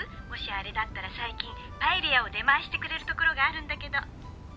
もしあれだったら最近パエリアを出前してくれる所があるんだけど。